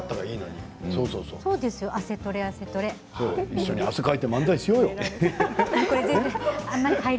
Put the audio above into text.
一緒に汗をかいて漫才しようよ。